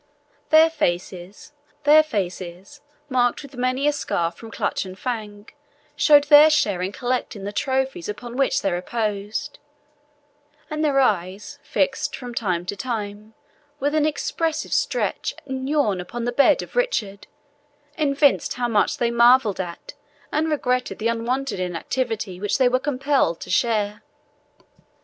Their faces, marked with many a scar from clutch and fang, showed their share in collecting the trophies upon which they reposed; and their eyes, fixed from time to time with an expressive stretch and yawn upon the bed of Richard, evinced how much they marvelled at and regretted the unwonted inactivity which they were compelled to share.